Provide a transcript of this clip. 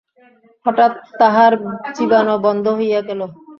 হঠাৎ তাহার চিবানো বন্ধ হইয়া গেল।